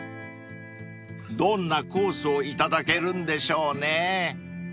［どんなコースをいただけるんでしょうね］